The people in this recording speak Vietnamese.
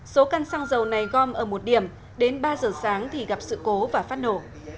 số căn xăng dầu này gom ở một điểm đến ba giờ sáng thì gặp sự cố và phát nổ